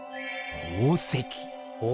宝石。